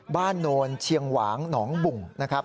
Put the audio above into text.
โนนเชียงหวางหนองบุ่งนะครับ